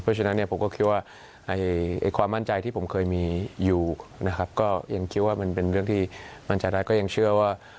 เพราะฉะนั้นผมคิดว่าความมั่นใจที่ผมเคยมียังคิดว่ามันเป็นเรื่องบัญชาธารก็ยังเชื่อว่า